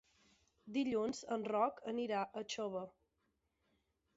Dilluns en Roc anirà a Xóvar.